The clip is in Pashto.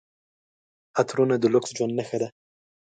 عطرونه د لوکس ژوند نښه ده.